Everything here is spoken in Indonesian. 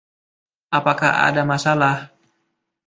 Apakah ada masalah?